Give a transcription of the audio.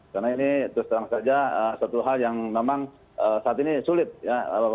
karena ini itu setelah saja satu hal yang memang saat ini sulit ya